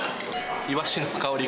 イワシの香りが。